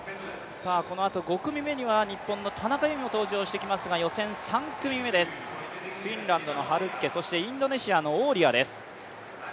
このあと５組目には日本の田中佑美も登場してきますが予選３組目です、フィンランドのハルスケ、そしてインドネシアのオーリアです。